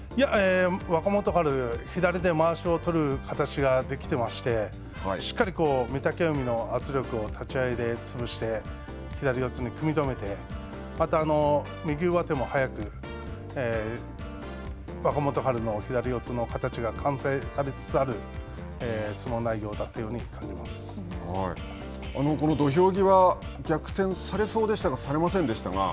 若元春、左でまわしをとる形ができていまして、しっかり御嶽海の圧力を立ち合いで潰して、左四つに組み止めて、また右上手も早く若元春の左四つの形が完成されつつあるこの土俵際、逆転されそうでしたがされませんでしたが。